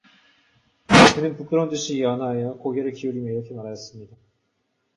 그는 부끄러운 듯이 연하여 고개를 기울이며 이렇게 말하였습니다.